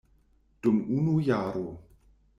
Dum unu jaro.